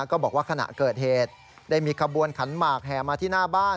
ก็บอกว่าขณะเกิดเหตุได้มีขบวนขันหมากแห่มาที่หน้าบ้าน